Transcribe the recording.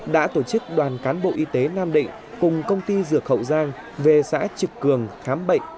đã tổ chức đoàn cán bộ y tế nam định cùng công ty dược hậu giang về xã trực cường khám bệnh